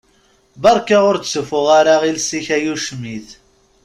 Barka ur d-ssufuɣ ara iles-ik ay ucmit!